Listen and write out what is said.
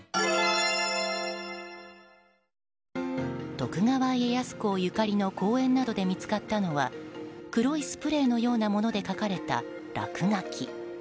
徳川家康公ゆかりの公園などで見つかったのは黒いスプレーのようなもので書かれた落書き。